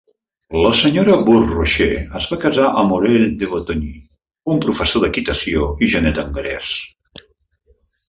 La senyora Burke Roche es va casar amb Aurel de Batonyi, un professor d'equitació i genet hongarès.